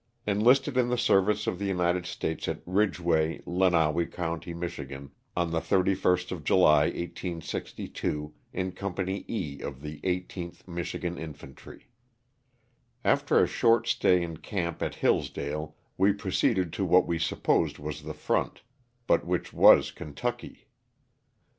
Enlisted in the service of the United States at Ridgeway, Lenawee county, Mich., on the 31st of July, 1862, in Company E of the 18th Michigan Infantry. After a short stay in camp at Hillsdale we proceeded to what we supposed was the front, but which was Kentucky.